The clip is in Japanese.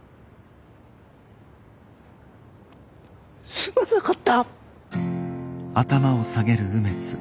すまなかった！